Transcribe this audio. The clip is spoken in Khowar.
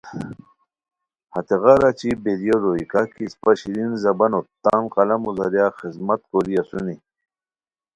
ہتیغار اچی بیریو روئے کاکی اِسپہ شیرین زبانوت تان قلمو ذریعا خذمت کوری اسونی